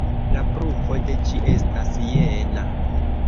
La pruvo de ĝi estas jena.